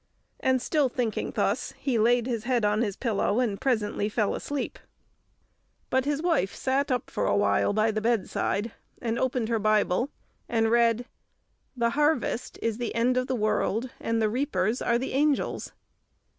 And still thinking thus, he laid his head on his pillow, and presently fell asleep. But his wife sat up for a while by the bedside, and opened her Bible, and read, "The harvest is the end of the world, and the reapers are the angels."